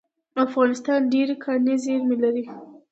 افغانستان ډیرې کاني زیرمې لري